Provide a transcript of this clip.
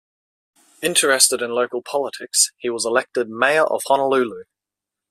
Interested in local politics, he was elected Mayor of Honolulu.